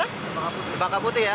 lewat baka putih